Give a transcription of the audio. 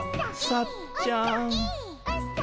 さっちゃん。